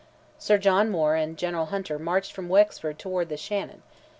Sir John Moore and General Hunter marched from Wexford toward the Shannon.